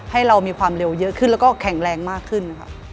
ให้เรามีความเร็วเยอะขึ้นแล้วก็แข็งแรงมากขึ้นค่ะ